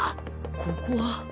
ここは。